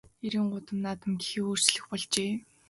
Эрийн гурван наадам гэхээ өөрчлөх болжээ.